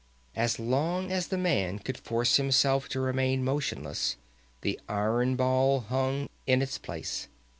As long as the man could force himself to remain motionless the iron ball hung in its place.